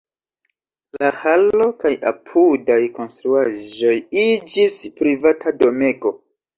La halo kaj apudaj konstruaĵoj iĝis privata domego.